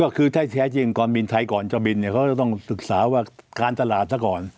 ก็คือถ้าแท้จริงก่อนบินไทยก่อนจะบินเนี่ยเขาจะต้องศึกษาว่าการตลาดซะก่อน